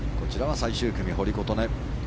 こちらは最終組、堀琴音。